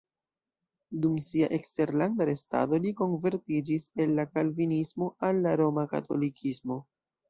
Dum sia eksterlanda restado li konvertiĝis el la kalvinismo al la roma katolikismo.